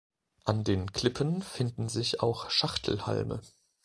An den Klippen finden sich auch Schachtelhalme.